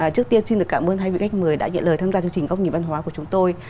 trước tiên xin được cảm ơn hai vị khách mời đã nhận lời tham gia chương trình góc nhìn văn hóa của chúng tôi